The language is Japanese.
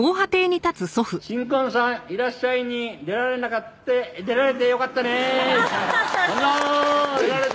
新婚さんいらっしゃい！に出られなかっ出られてよかったね万歳！